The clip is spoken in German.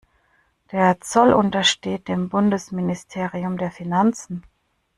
Der Zoll untersteht dem Bundesministerium der Finanzen.